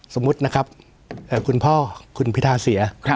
สมมุตินะครับคุณพ่อคุณพิทาเสีย